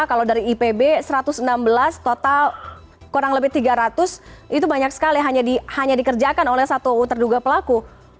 kalau dari ipb satu ratus enam belas total kurang lebih tiga ratus itu banyak sekali hanya dikerjakan oleh satu terduga pelaku